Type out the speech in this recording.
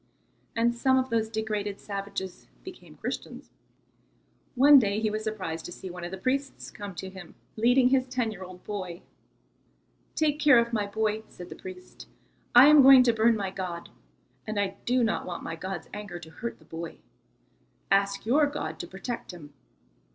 And some of those degraded savages became Christians. One day he was surprised to see one of the priests come to him leading his ten year old boy. "Take care of my boy," said the priest. "I am going to burn my god, and I do not want my god's anger to hurt the boy. Ask your God to protect him."